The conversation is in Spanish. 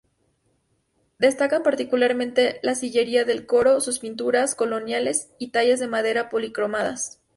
Destacan particularmente la sillería del coro, sus pinturas coloniales y tallas de madera policromadas.